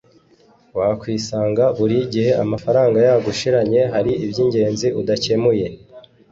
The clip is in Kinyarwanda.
wakwisanga buri gihe amafaranga yagushiranye hari iby’ingenzi udakemuye